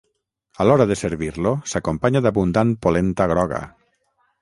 A l'hora de servir-lo s'acompanya d'abundant polenta groga.